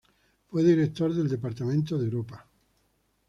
Fue Director del departamento Europa.